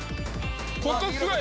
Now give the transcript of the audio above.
ここすごい！